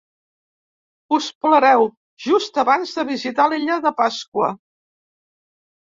Us pelareu just abans de visitar l'illa de Pasqua.